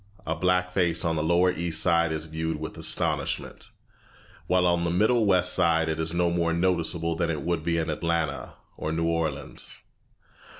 A black face on the lower East Side is viewed with astonishment, while on the middle West Side it is no more noticeable than it would be in Atlanta or New Orleans.